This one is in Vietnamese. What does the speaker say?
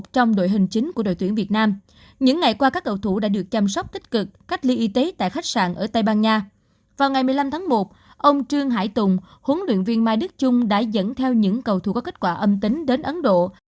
trong ngày một mươi năm tháng một ông trương hải tùng huấn luyện viên mai đức trung đã dẫn theo những cầu thủ có kết quả âm tính đến ấn độ